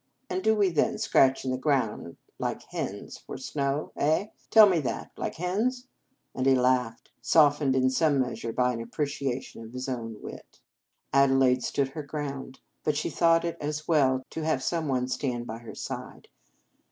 "And do we then scratch in the ground like hens for snow? Eh! tell me that! Like hens ?" And he laughed, softened in some measure by an ap preciation of his own wit. Adelaide stood her ground. But she thought it as well to have some one stand by her side.